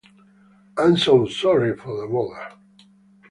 I am so sorry for the mother.